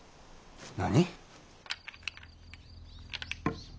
何！？